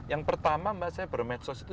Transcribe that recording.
yang pertama mbak saya bermedsos itu